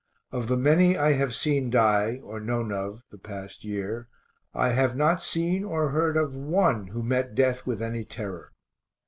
Of the many I have seen die, or known of, the past year, I have not seen or heard of one who met death with any terror.